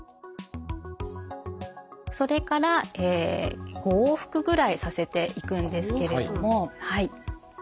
それから５往復ぐらいさせていくんですけれども。